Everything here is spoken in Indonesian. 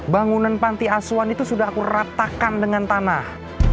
bangunan panti asuhan itu sudah aku ratakan dengan tanah